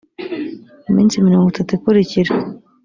muminsi mirongo itatu ikurikira